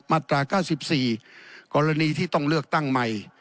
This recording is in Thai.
มาตรา๙๔กรณีที่ต้องเลือกตั้งใหม่